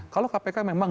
kalau kpk memang